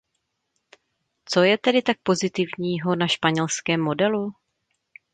Co je tedy tak pozitivního na španělském modelu?